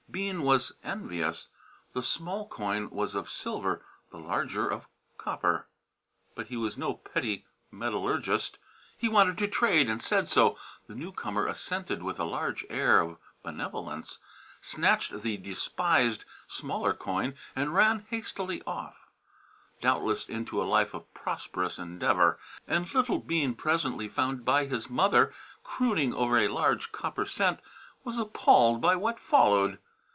Bean was envious. The small coin was of silver, the larger of copper, but he was no petty metallurgist. He wanted to trade and said so. The newcomer assented with a large air of benevolence, snatched the despised smaller coin and ran hastily off doubtless into a life of prosperous endeavour. And little Bean, presently found by his mother crooning over a large copper cent, was appalled by what followed.